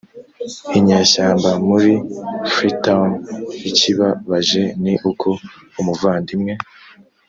inyeshyamba muri Freetown Ikibabaje ni uko umuvandimwe